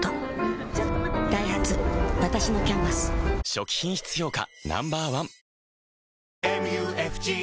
初期品質評価